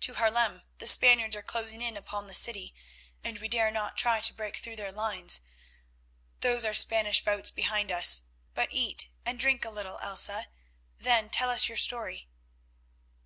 "To Haarlem. The Spaniards are closing in upon the city, and we dare not try to break through their lines. Those are Spanish boats behind us. But eat and drink a little, Elsa, then tell us your story."